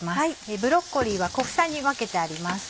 ブロッコリーは小房に分けてあります。